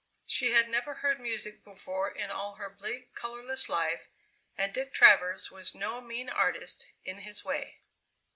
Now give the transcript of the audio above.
She had never heard music before in all her bleak, colourless life, and Dick Travers was no mean artist, in his way.